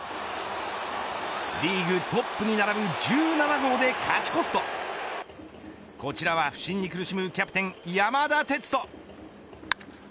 リーグトップに並ぶ１７号で勝ち越すとこちらは不振に苦しむキャプテン山田哲人。